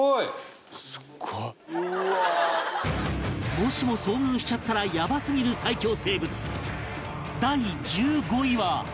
もしも遭遇しちゃったらヤバすぎる最恐生物第１５位は